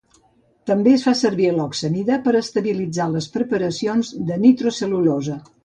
També es fa servir l'oxamida per a estabilitzar les preparacions de nitrocel·lulosa.